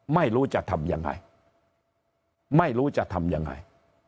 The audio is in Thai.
ไม่รู้จะทำยังไงไม่รู้จะทำยังไง